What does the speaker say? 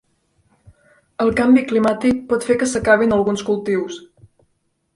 El canvi climàtic pot fer que s'acabin alguns cultius.